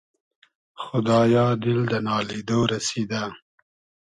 خودایا دیل دۂ نالیدۉ رئسیدۂ